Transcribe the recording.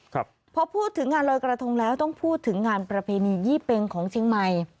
ครับพอพูดถึงงานลอยกระทงแล้วต้องพูดถึงงานประเพณียี่เป็งของเชียงใหม่